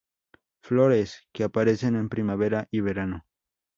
Flores, que aparecen en primavera y verano.